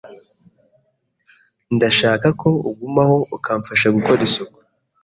Ndashaka ko ugumaho ukamfasha gukora isuku.